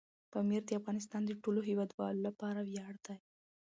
پامیر د افغانستان د ټولو هیوادوالو لپاره ویاړ دی.